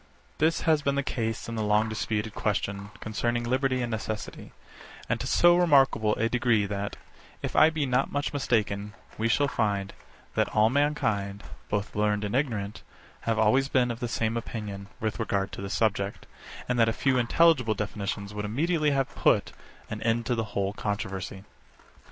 63. This has been the case in the long disputed question concerning liberty and necessity; and to so remarkable a degree that, if I be not much mistaken, we shall find, that all mankind, both learned and ignorant, have always been of the same opinion with regard to this subject, and that a few intelligible definitions would immediately have put an end to the whole controversy.